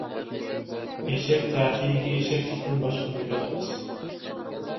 ئېشەك تەخىيىگە ئېشەكلىكتىن باشقىنى ئۆگەتمەس.